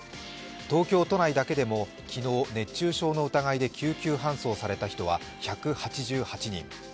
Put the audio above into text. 東京都内だけでも昨日熱中症の疑いで救急搬送された人の数は１８８人。